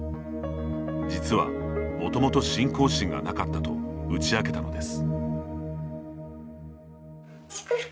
実は、もともと信仰心がなかったと打ち明けたのです。